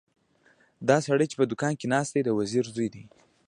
دا سړی چې په دوکان کې ناست دی د وزیر زوی دی.